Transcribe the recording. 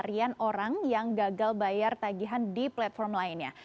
pencarian orang yang gagal bayar tagihan di platform lainnya